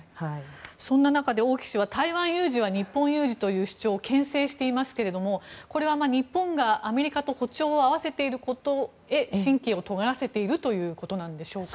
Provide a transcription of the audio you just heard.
そんな中で王毅氏は台湾有事は日本有事という主張を牽制していますがこれは日本がアメリカと歩調を合わせていることへ神経をとがらせているということでしょうか？